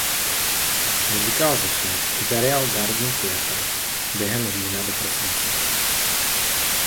Muzikál začne v Imperial Garden Theater během října do prosince.